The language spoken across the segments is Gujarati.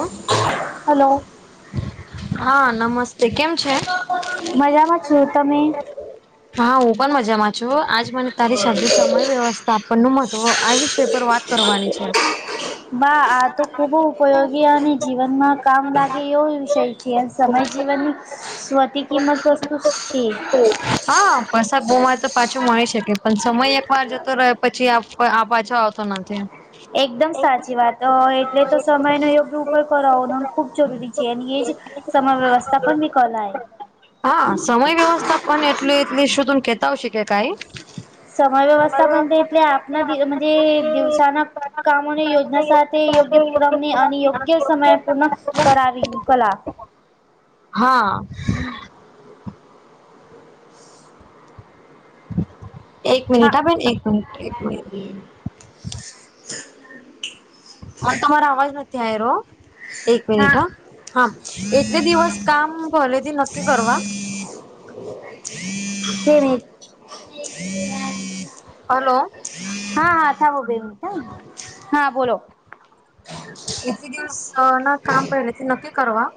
લો હલો હા નમસ્તે કેમ છે? મજામાં છો તમે હા હું પણ મજામાં જો આજ મને તારી સાથે સમય વ્યવસ્થા આપણનું મહત્વ આ વિષય પર વાત કરવાની છે. બા આ તો ખૂબ ઉપયોગી અને જીવનમાં કામ લાગે એવો વિષય છે અને સમય જીવનની સ્વતી કિંમત વસ્તુ છે. હા પસાક બોમા તો પાછો મળી શકે પણ સમય એક વાર જતો રહે પછી પણ આ પાછો આવતો નથી. એકદમ સાચી વાત એટલે તો સમયનો યોગ્ય ઉપર કરવાનો ખૂબ જરૂરી છે અની એજ સમર વ્યવસ્થા પણ વિકલાય. હા સ એટલું એટલી શુંધ કેતા હોશે કે કઈ? સમય વ્યવસ્થા પણ તે એટલે આપણા દિવસ થી જ દિવસના કામોને યોજના સાથ તે યોગ્ય ક્રમને અને યોગ્ય સમય પૂર્ણ કરાવી કલા. હા. એક મિનિટ હા આ બેન એક મિનિટ એક મિનિટ. હ તમારો અવાજ નથી આવી રહ્યો એક મિનિટ હા. હા એટલે દિવસ કામ પેલેથી નક્કી કરવા [inaudible] હલો. હા હા [unintelligible] હા બોલો. એક બે દિવસ ના કામ પહેલે તે નક્કી કરવા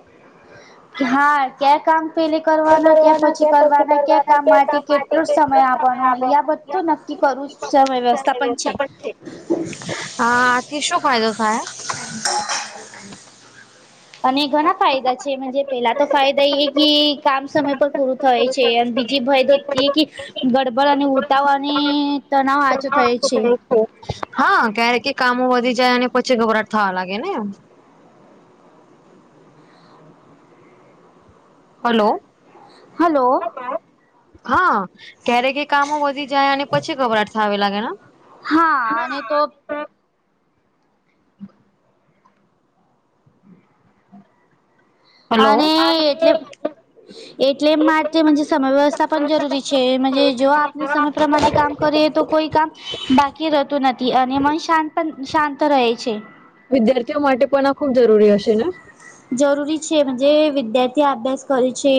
હા ક્યા કામ પેલી કરવાના ક્યા પછી કરવાના ક્યા કામ માટે કેટલો જ સમય આપવાનો અહીંયા બ તો નક્કી કરું વ્યવસ્થા પણ છે. આથી શું ફાયદો થાય [inaudible] અને ઘણા ફાયદા છે. જે પહેલા તો ફાયદા એ કે કામ સમય પર પૂરું થાય છે અને બીજી ફાયદો એ કે ગડબડ અને ઉતાવળની તણાવ આચો થયો છે. હા, ક્યારે કે કામો વધી જાય અને પછી ગભરાટ થવા લાગે ને. હલો. હ, હલો. હા. ક્યારેકે કામો વધી જાય અને પછી ગભરાટા થાવે લાગે ના હા. અને તો [inaudible] હલો અને એટલે એટલે એમ માટે સમય વ્યવસ્થા પણ જરૂરી છે જો આપને સમય પ્રમાણે કામ કરીએ તો કોઈ કામ બાકી રહેતું નથી અને મન શાંત પણ શાંત રહે છે. વિદ્યાર્થીઓ માટે પણ આ ખુબ જરૂરી હશે ને? જરૂરી છે જે વિદ્યાર્થી અભ્યાસ કરે છે.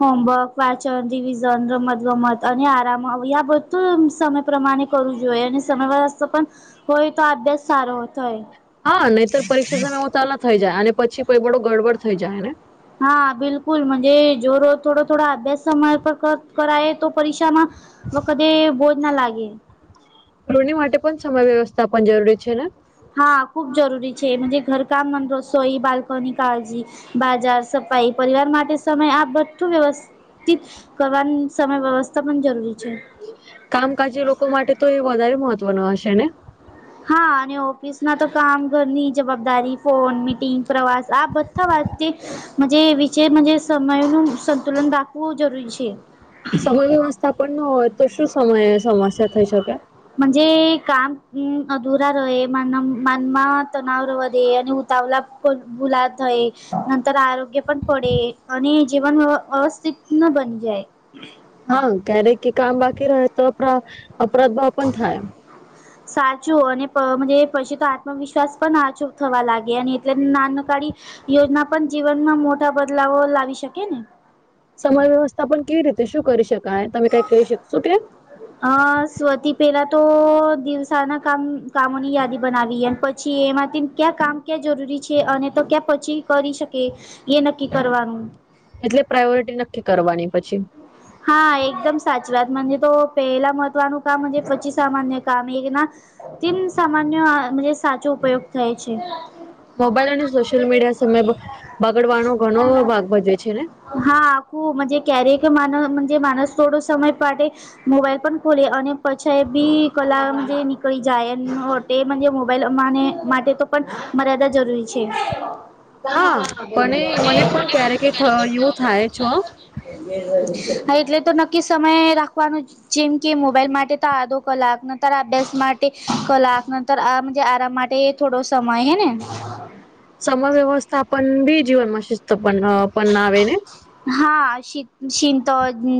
હોમવર્ક, વાંચન, રિવિઝન, રમત ગમત અને આરામ આ બધું સમય પ્રમાણે કરવું જોઈએ અને સમય પણ હોય તો આ અભ્યાસ સારો થાય. હા, નહીતર પરીક્ષા સમયમાં તાલા થઈ જાય અને પછી કોઈ પણ ગડબડ થઈ જાયને. હા, બિલકુલ મજે રોજ થોડો થોડા અભ્યાસ સમયે કરાયે તો પરીક્ષામાં વખતે બોજ ના લાગે. કૃણી માટે પણ સમય વ્યવસ્થા પણ જરૂરી છે ને? હા, ખૂબ જરૂરી છે ઘર કામ, રસોઈ, બાલ્કોની કાળજી બાજાર, સફાઈ પરિવાર માટે સમય આ બધું વ્યવ કરવાન સમય વ્યવસ્થા પણ જરૂરી છે. કામ કાજ લોકો માટે તો એ વધારે મહત્વનુ હશે ને? હા, અને ઓફિસમાં તો કામ ઘરની જવાબદારી ફોન, મીટિંગ, પ્રવાસ આ બ અથવા તે વિશે સમયનું સંતુલન રાખવું જરૂરી છે. સમય વ્યવસ્થા પણ ન હોય તો શું સમયે સમસ્યા થઈ શકે? મજે કામ અધુરા રહે માનમ માનમાં તનાવ વધે અને ઉતાવલા ભુલાદ થય નંતર આરોગ્ય પણ પડે અને જીવન વ્યવસ્થિત ન બની જાય. [inaudible] હા, ક્યારેક કામ બાકી રહે તો અ અપરાધ ભાવ પણ થાય. સાચું અને પછી તો આત્મવિશ્વાસ પણ આચો થવા લાગે અને એટલે નાન કાઢી યોજના પણ જીવનમાં મોટા બદલાવો લાવી શકે ને. સમય વ્યવસ્થા પણ કેવી રીતે શું કરી શકાય તમે કઈ કહી શકશો કે? અ સ્વતી પેલા તો દિવસાના કામ કામોની યાદી બનાવીએ પ છીએ એમાંથી ક્યાં કામ ક્યાં જરૂરી છે અને તો ક્યાં પછી કરી શકે. એ નક્કી કરવાનું. એટલે પ્રાયોરિટી નક્કી કરવાની પછી. હા, એકદમ સાચી વાત તો પહેલા મહત્વનું કામ પછી સામાન્ય કામ એક ના તે સામાન્ય સાચો ઉપયોગ થાય છે. મોબાઈલ અને સોશિયલ મીડિયા સામે બગડવાનો ઘણો ભાગ ભજવે છેને? હા, આખું મજે ક્યારેક માન માણસ થોડો સમય પાડે. મોબાઈલ પણ ખોલે અને પછી એ બી કલા નીકળી જાય એ તે મજે મોબાઈલમાંને માટે તો પણ મર્યાદા જરૂરી છે. [unintelligible] હા, પણ એ મને પણ ક્યારેક એ થ એવું થાય છો એટલે તો નક્કી સમય રાખવાનું જ. જેમ કે મોબાઈલ માટે તો આધો કલાક ન ત અભ્યાસ માટે કલાક તો આ આરામ માટે થોડો સમય હેને. સમય વ્યવસ્થા પણ બી જીવનમાં શિસ્ત પણ પણ ના બનાવે? હા, શી શીંત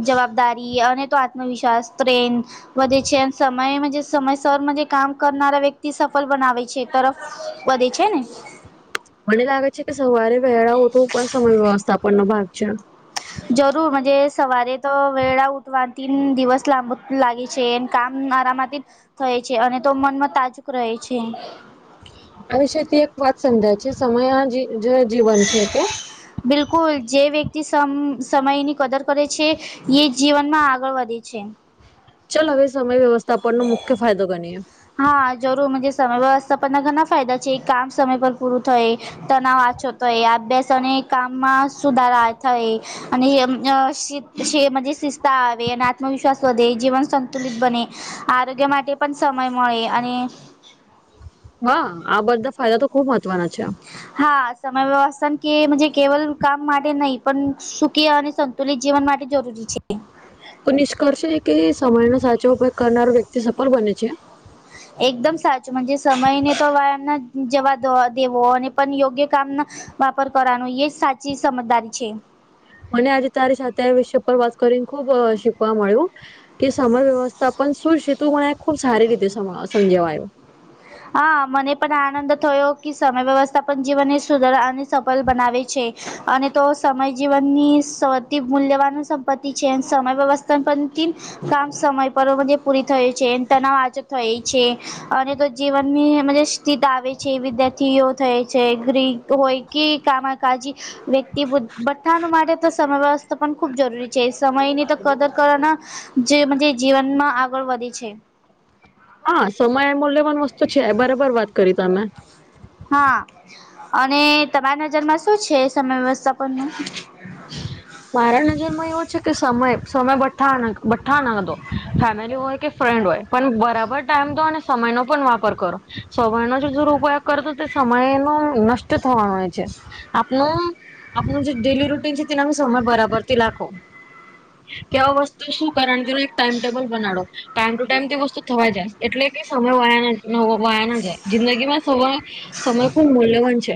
જવાબદારી અને તો આત્મવિશ્વાસ ટ્રેન. વધે છે અને સમય સમયસરમાં જે કામ કરનારા વ્યક્તિ સફળ બનાવે છે તરફ વધે છેને. મને લાગે છે કે સવારે વહેલા ઓઠું પણ સમય વ્યવસ્થાપન નો ભાગ છે. જરૂરજ સવારે તો વેળા ઉઠવા તન દિવસ લાંબ લાગે છે. કામ આરામાંથી થય છે અને તો મનમાં તાજુક રહે છે. આ વિષ થી એક વાત સમજાય છે સમય જે જીવન છે કે બિલકુલ જે વ્યક્તિ સમ સમયની કદર કરે છે. એ જીવનમાં આગળ વધે છે. ચાલ હવે સમય વ્યવસ્થાપન ન મુખ્ય ફાયદો ગણીએ હા જરૂરજ સમય વ્યવસ્થાપના ઘણા ફાયદા છે કામ સમય પર પૂરું થાય. તનાવ આછો તો એ અભ્યાસ અને કામમાં સુધારા થાય. અને શ શિસ્તા આવે આવે અને આત્મવિશ્વાસ વધે જીવન સંતુલિત બને આરોગ્ય માટે પણ સમય મળે અને હા આ બધા ફાયદા તો ખુબ મહત્વના છે આમ હા સમય વ્યવથા કે કેવલ કામ માટે નહી પણ સુખી અને સ તો લ જીવન માટે જરૂરી છે. તો નિષ્કર્ષ છે કે સમયનો સાચો ઉપયોગ કરનારો વ્યક્તિ સફળ બને છે. એકદમ સાચુંજ સમયને તો વ્યાયામ ના જવા દ દેવો અને પણ યોગ્ય કામ ના વાપર કરવાનું એ સાચી સમજદારી છે. મને આજે તારી સાથે આ વિષ પર વાત કરીને ખુબ શીખવા મળ્યું. કે સમય વ્યવસ્થા પણન શું છે તું મને ખુબ સારી રીતે સમજવાયું હા મને પણ આનંદ થયો કે સમય વ્યવસ્થા પણ જીવનને સુધર અને સફળ બનાવે છે. અને તો સમય જીવનની સતિ મૂલ્યવાન સંપત્તિ છે સમય વ્યવસ્થા પણ કામ સમય પર બ પૂરી થયું છે તનાવ આજ થઈ છે અને તો જીવનની મ સ્થતા આવે છે વિદ્યાર્થીઓ થાય છે ગ્રીક હોય કે કામકાજી વ્યક્તિ બઠ્ઠાણ માટે સમય વ્યવસ્થા પણ ખૂબ જરૂરી છે સમય ની તો કદર કરવાના જે જીવનમાં આગળ વધે છે. હા સમય મૂલ્યવાન વસ્તુ છે બરાબર વાત કરી તમે. હા અને તમારા નજરમાં શું છે સમય વ્યવસ્થાપ પર નુ. [unintelligible] મારા નજરમાં એવો છે કે સમય સમય બઠા બઠ્ઠા નાો ફેમિલી હોય કે ફ્રેન્ડ હોય પણ બરાબર ટાઈમ તો અને સમય નો પણ વાપર કરો સવારનો જો જર ઉપયોગ કરતો સમય ન નષ્ટ થવાનો હોય છે આપનું આપનું જે ડેલી રૂટીન છે સમય બરાબરથી લખો કે આ વસ્તુ શું કારણ એક ટાઈમ ટેબલ બનાડો. ટાઈમ ટુ ટાઈમ તે વસ્તુ થવા જાય એટલે કે સમય વાયા વાયા ના જાય જિંદગીમાં સય સમય ખુબ મૂલ્યવાન છે.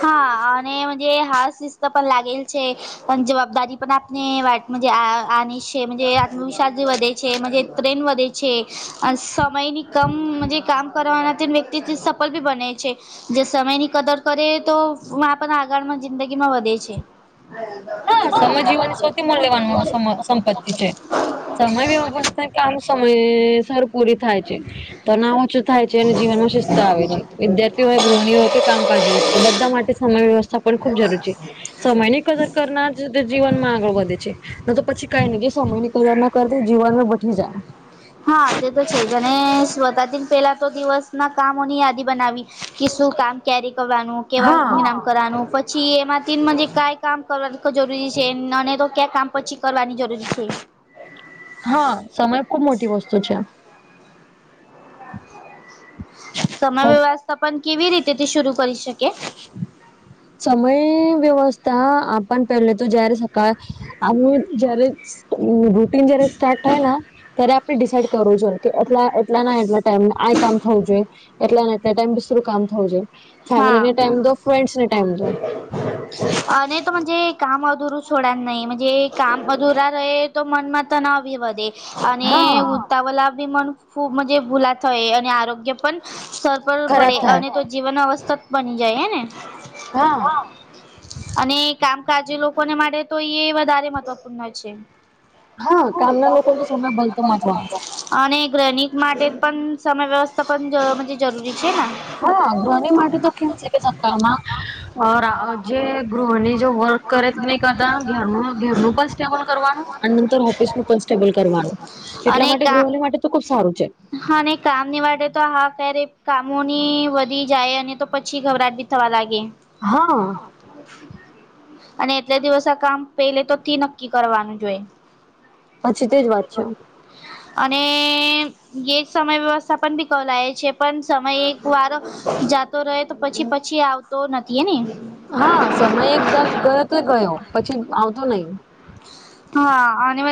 હા અનેજ હાસ શિસ્ત પણ લાગેલ છે. પણ જવાબદારી પણ આપને વા આ છે જ આત્મવિશ્વાસ વધે છે જ પ્રેમ વધે છે છે સમયની કમ કામ કરવાના તે વ્યક્તિ સફળ બી બને છે. જે સમયની કદર કરે તોપના આગળમાં જિંદગી માં વધે છે. હા સમય જીવનની સૌથી મૂલ્યવાન સંપત્તિ છે સમય [unintelligible] વ્યવસ્થા કામ સમયે સારું પૂરી થાય છે તણાવ ઓછો થાય છે અને જીવનમાં શસ્ત આવે છે વિદ્યાર્થી ય ગૃહણી હોય કે કામકાજ વ્યક્તિ બધા માટે સમય વ્યવસ્થા પણ ખૂબ જરૂરી છે સમયની કદર ના જ જીવનમાં આગળ વધે છે. ન તો પછી કઈ નહી સમય ની કદર ના કર જીવનમાં બેઠી જાય. હા તે તો છે જ અને સ્વતાથી પેલા તો દિવસ ના કામોની યાદી બનાવી કે શું કામ? કેરી કરવાનું હા કેવા? કરવાનું પછી એમાંથી મ કંઈ કામ કરવા જરૂરી છે અને તો ક્યાં કામ પછી કરવાની જરૂરી છે. હા સમય ખુબ મોટી વસ્તુ છે. સમય હવે વ્યવસ્થાપન કેવી રીતે શરૂ કરી શકે? સમય વ્યવસ્થા આપણ પહેલે તો જયારે સ આ જયારે રૂટિન જયારે સ્ટાર્ટ થાય ત્યારે આપણે ડિસાઈડ કરવું જોઈએ કે એટલા એટલા ના એટલા ટાઈમ આ કામ થવું જોઈએ એટલા ફેમીલી ને ટાઈમ દો---ફ્રેનડ ને ટાઈમ દો. હ [inaudible] અ નહી તોજે કામ અધુરું છોડાય નય જે કામ અધુરા ર તો મનમાં તનાવ બી વધે. અને હા ઉતાવલા બી મન ખૂબજ ભૂલા થય અને આરોગ્ય પણ સ પડે ખરાબ થાય અને તો જીવન આવશયક બની જાય હેને હા અને કામકાજ લોકોને માટે તો એ વધારે મહત્વપૂર્ણ છે. હા કામના લોકો તો સમય ભલતો વાંચવાનો છે [unintelligible] અને ગણીત માટે પણ સમય વ્યવસ્થા પણ જરૂરી છે ને? હા ગૃહની માટે તો કેમ છે કે સક્કામાં જે ગૃહની જો વર્ક કરે નહી કરતા ઘરનું ઘેરનું પણ સ્ટેબલ કરવાનું અનેર ઓફિસ નું પણ સ્ટેબલ કરવાનું એટલા માટે ગૃહની માટે તો ખુબ સારું છે. હા કામની વા તો હા ક્યારે કામોની વધી જાય અને તો પછી ગબરાટ બી થવા લાગે. હા અને એટલા દિવસ આ કામ પેલે તો થી નક્કી કરવાનું જોઈ પછી તેજ વાત છે અને એક સમય વ્યવસ્થા પણ પિકવ લ છે પણ સમય એક વાર જાતો રહે તો પછી પછી આવતો નથી એ ને હા સમય એકદમ ગયો તો ગયો પછી આવતો નહી. હા અને મ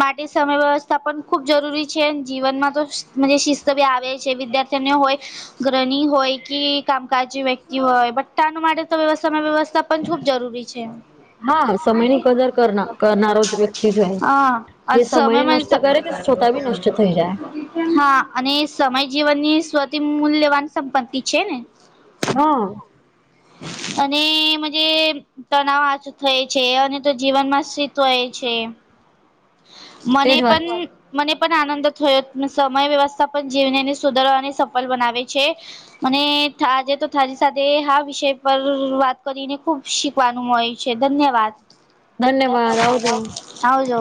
માટે સમય વ્યવસ્થા પણ ખૂબ જરૂરી છે જીવનમાં તો આવે છે વિદ્યાર્થીઓ હોય ગ્રણી હોય કે કામકાજ વ્યક્તિ હોય બટાનું માટે તો વ્યવસ્થામાં વ્યવસ્થા પણ ખૂબ જરૂરી છે હા સમયની કદર કરનારો જ વ્યક્તિ જો હા જે સમયને સમયમાં નષ્ટ કરે તે છતાં બી નષ્ટ થઈ જાય હા અને સમય જીવનની સ્વતી મૂલ્યવાન સંપત્તિ છે ને હા અને મજ તણાવ આચું થય છે અને તો જીવન માં સ્થિત હો એ છે મને તેજ વાત છે પણ મને પણ આનંદ થયો સમય વ્યવસ્થા પણ જીવનને સુદર અને સફળ બનાવે છે અને થ આજે તો થાજી સાથે હા વિષય પર વાત કરીને ખુબ શીખવાનું મળે છે ધન્યવાદ ધન્યવાદ આવજો આવજો